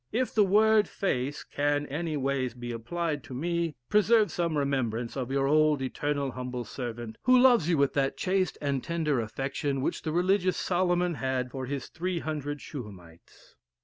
If the word face can any ways be applied to me, preserve some remembrance of your old eternal humble servant, who loves you with that chaste and tender affection, which the religious Solomon had for his three hundred Shuhamites."